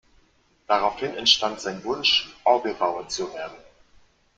Daraufhin entstand sein Wunsch, Orgelbauer zu werden.